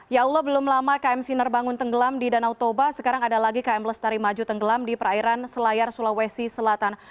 ya allah belum lama km sinar bangun tenggelam di danau toba sekarang ada lagi km lestari maju tenggelam di perairan selayar sulawesi selatan